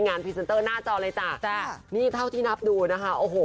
งานพิเศษเตอร์หน้าจอเลยจ้ะนี่เท่าที่นับดูนะคะโอ้โห